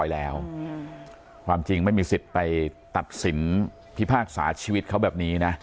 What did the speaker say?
แล้วความจริงไม่มีสิทธิ์ไปตัดสินพิพากษาชีวิตเขาแบบนี้นะ